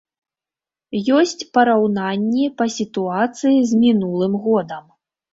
Ёсць параўнанні па сітуацыі з мінулым годам.